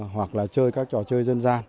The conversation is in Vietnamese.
hoặc là chơi các trò chơi